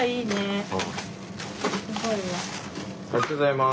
ありがとうございます。